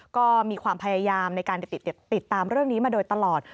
ก็มีความพยายามในการติดตามเรื่องนี้มาโดยตลอด